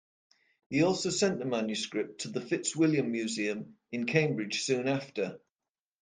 He also sent the manuscript to the Fitzwilliam Museum in Cambridge soon after.